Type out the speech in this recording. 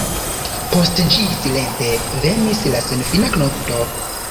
Post ĝi silente venis la senfina nokto.